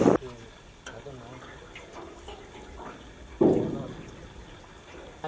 อาระเยนนี่ก็ได้ถ้าน้ำน้ำเดี่ยวปลอดภัย